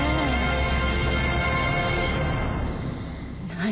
何？